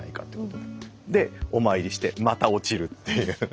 でお参りしてまた落ちるっていう。